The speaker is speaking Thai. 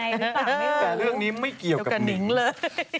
แต่เรื่องนี้ไม่เกี่ยวกับหนิงเลย